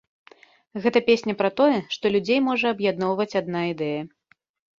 Гэта песня пра тое, што людзей можа аб'ядноўваць адна ідэя.